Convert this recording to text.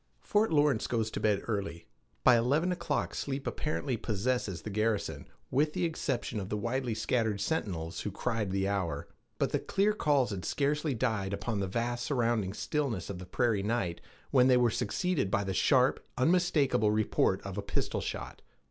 Fort Lawrence goes to bed early. By eleven o'clock sleep apparently possessed the garrison, with the exception of the widely scattered sentinels who cried the hour. But the clear calls had scarcely died upon the vast surrounding stillness of the prairie night when they were succeeded by the sharp, unmistakable report of a pistol shot.